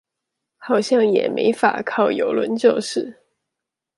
好像也沒法靠郵輪就是